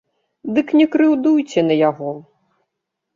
Дык не крыўдуйце на яго!